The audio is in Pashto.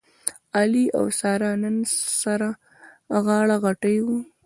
علي او ساره نن سره غاړه غټۍ و.